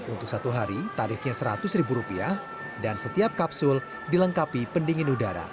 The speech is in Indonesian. untuk satu hari tarifnya seratus ribu rupiah dan setiap kapsul dilengkapi pendingin udara